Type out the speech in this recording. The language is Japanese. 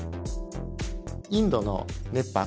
インドの熱波